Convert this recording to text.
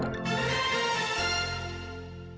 โปรดติดตามตอนต่อไป